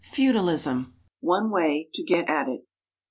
Feudalism: One Way to Get at It.